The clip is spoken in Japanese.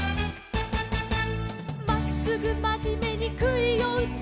「まっすぐまじめにくいをうつ」